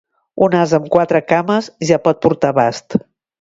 Un ase amb quatre cames ja pot portar bast.